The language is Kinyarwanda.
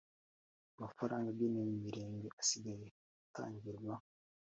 Amafaranga agenewe Imirenge asigaye atangirwa